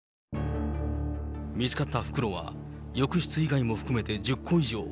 見つかった袋は浴室以外も含めて１０個以上。